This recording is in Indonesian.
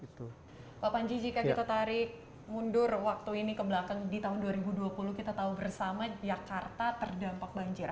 pak panji jika kita tarik mundur waktu ini ke belakang di tahun dua ribu dua puluh kita tahu bersama jakarta terdampak banjir